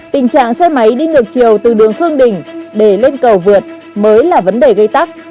tình trạng xe máy đi ngược chiều từ đường khương đình để lên cầu vượt mới là vấn đề gây tắc